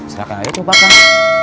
silakan aja tuh pak kang